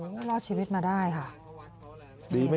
โอ้โหรอดชีวิตมาได้ค่ะ